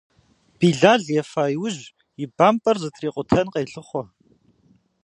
Билал ефа иужь и бампӏэр зытрикъутэн къелъыхъуэ.